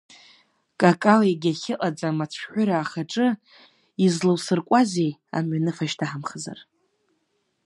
Какал егьахьыҟаӡам ацәҳәыра ахаҿы излаусыркуазеи, амҩаныфа шьҭаҳамхызар.